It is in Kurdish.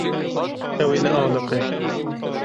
Ew ê nealiqe.